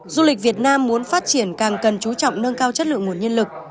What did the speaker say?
du lịch việt nam muốn phát triển càng cần chú trọng nâng cao chất lượng nguồn nhân lực